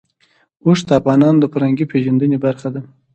اوښ د افغانانو د فرهنګي پیژندنې برخه ده.